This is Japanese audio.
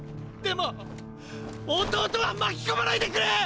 でも弟は巻き込まないでくれ！！